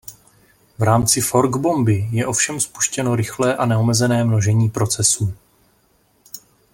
V rámci fork bomby je ovšem spuštěno rychlé a neomezené množení procesů.